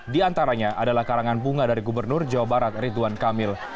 di antaranya adalah karangan bunga dari gubernur jawa barat ridwan kamil